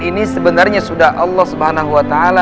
ini sebenarnya sudah allah swt